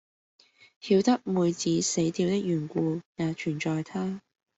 曉得妹子死掉的緣故，也全在他。